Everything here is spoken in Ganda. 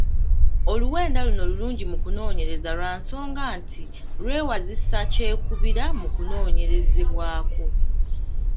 Oluwenda luno lulungi mu kunoonyereza lwa nsonga nti lwewazisa kyekubiira mu kinoonyerezebwako.